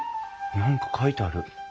何か書いてある。